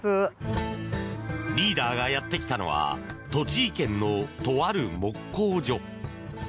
リーダーがやってきたのは栃木県のとある木工所。